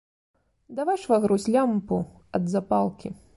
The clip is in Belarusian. Давай, швагрусь, лямпу, от запалкі.